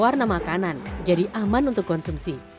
warna makanan jadi aman untuk konsumsi